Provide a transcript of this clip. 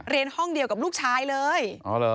เรียนห้องเดียวกับลูกชายเลยอ๋อเหรอ